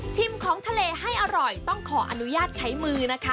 ของทะเลให้อร่อยต้องขออนุญาตใช้มือนะคะ